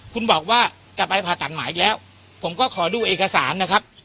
คุณบอกว่าจะไปผ่าตัดหมายอีกแล้วผมก็ขอดูเอกสารนะครับ